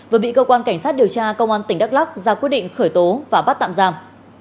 vừa bị cơ quan cảnh sát điều tra công an tỉnh đắk lắc ra quyết định khởi tố và bắt tạm giam